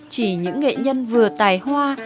chỉ những nghệ nhân vừa tài hoa